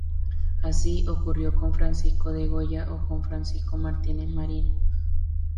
Así ocurrió con Francisco de Goya o con Francisco Martínez Marina.